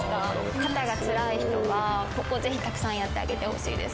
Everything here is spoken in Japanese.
肩がつらい人はここをぜひたくさんやってあげてほしいです。